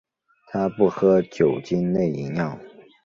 他不喝酒精类饮料。